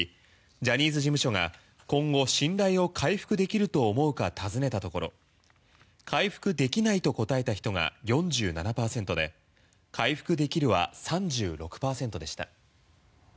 ジャニーズ事務所が今後、信頼を回復できると思うか尋ねたところ回復できないと答えた人が４７％で回復できるは３６％でした。